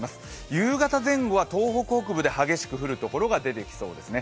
夕方前後は東北北部で激しく降るところが出てきそうですね。